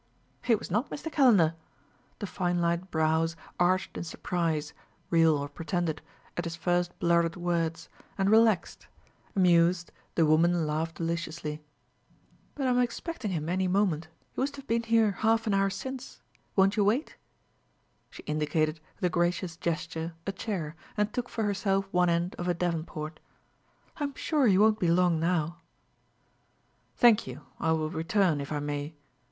"It was not Mr. Calendar." The fine lined brows arched in surprise, real or pretended, at his first blurted words, and relaxed; amused, the woman laughed deliciously. "But I am expecting him any moment; he was to have been here half an hour since.... Won't you wait?" She indicated, with a gracious gesture, a chair, and took for herself one end of a davenport. "I'm sure he won't be long, now." "Thank you, I will return, if I may."